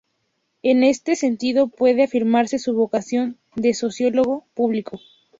En este sentido puede afirmarse su vocación de sociólogo público.